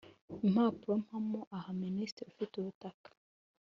impapuro mpamo aha Minisitiri ufite Ubutaka